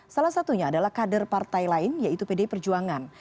salah satunya adalah kader partai lain yaitu pdi perjuangan